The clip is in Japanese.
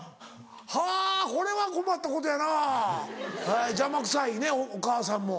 はぁこれは困ったことやな邪魔くさいねお母さんも。